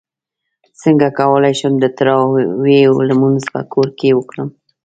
څنګه کولی شم د تراویحو لمونځ په کور کې وکړم